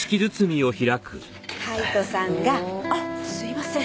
カイトさんがあっすいません。